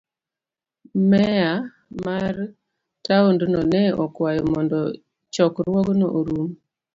Meya mar taondno ne okwayo mondo chokruogno orum.